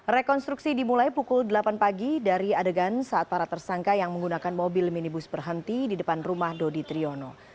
rekonstruksi dimulai pukul delapan pagi dari adegan saat para tersangka yang menggunakan mobil minibus berhenti di depan rumah dodi triyono